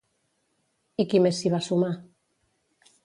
I qui més s'hi va sumar?